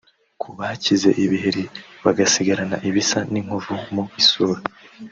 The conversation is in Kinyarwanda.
Ku bakize ibiheri bagasigarana ibisa nk’inkovu mu isura